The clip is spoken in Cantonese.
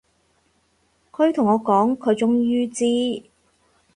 佢同我講，佢終於知